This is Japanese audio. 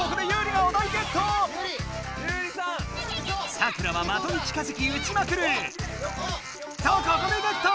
サクラは的に近づきうちまくる！とここでゲット！